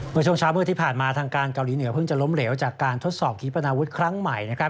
เมื่อช่วงเช้ามืดที่ผ่านมาทางการเกาหลีเหนือเพิ่งจะล้มเหลวจากการทดสอบขีปนาวุฒิครั้งใหม่